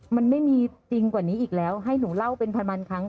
มันไม่มีจริงกว่านี้อีกแล้วให้หนูเล่าเป็นพันครั้ง